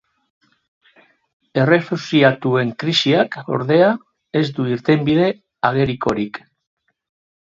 Errefuxiatuen krisiak, ordea, ez du irtenbide agerikorik.